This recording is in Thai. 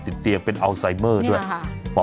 ติดเตียงเป็นอัลไซเมอร์ด้วยนี่แหละค่ะ